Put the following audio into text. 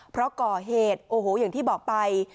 เพราะก่อเหตุโอ้โหอย่างที่บอกไป